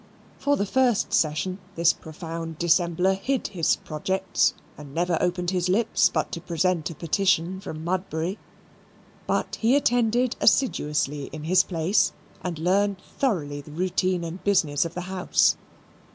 For the first session, this profound dissembler hid his projects and never opened his lips but to present a petition from Mudbury. But he attended assiduously in his place and learned thoroughly the routine and business of the House.